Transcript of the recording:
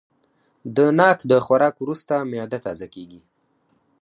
د ناک د خوراک وروسته معده تازه کېږي.